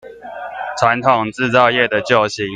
傳統製造業的救星